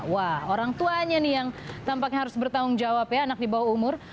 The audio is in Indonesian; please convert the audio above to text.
wah orang tuanya nih yang tampaknya harus bertanggung jawab ya anak di bawah umur